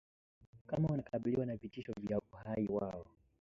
kama wanakabiliwa na vitisho kwa uhai wao